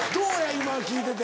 今聞いてて。